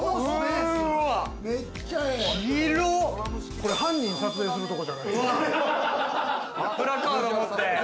これ犯人を撮影するとこじゃない？